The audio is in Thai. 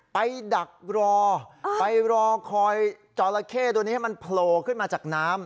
ดักรอไปรอคอยจอละเข้ตัวนี้ให้มันโผล่ขึ้นมาจากน้ำ